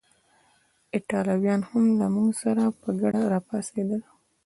ایټالویان هم له موږ سره په ګډه راپاڅېدل.